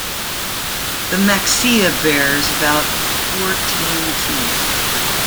The maxilla bears about fourteen teeth.